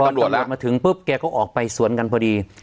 ตำรวจมาถึงปุ๊บแกก็ออกไปสวนกันพอดี